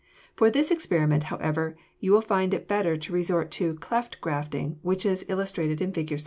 For this experiment, however, you will find it better to resort to cleft grafting, which is illustrated in Fig.